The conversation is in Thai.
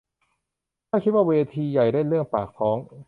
คิดว่าถ้าเวทีใหญ่เล่นเรื่องปากท้อง